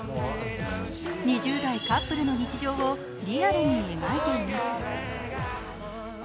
２０代カップルの日常をリアルに描いています。